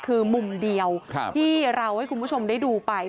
คือมุมเดียวที่เราให้คุณผู้ชมได้ดูไป